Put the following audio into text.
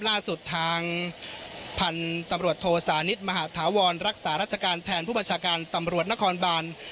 ล่าสุดทางพันธุ์ตำรวจโทสานิทมหาธาวรรักษาราชการแทนผู้บัญชาการตำรวจนครบาน